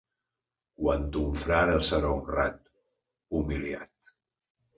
Quan ton frare serà honrat, humilia't.